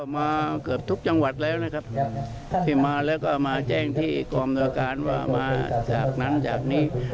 มาเกือบทุกจังหวัดแล้วนะครับที่มาแล้วก็มาแจ้งที่กองอำนวยการว่ามาจากนั้นจากนี้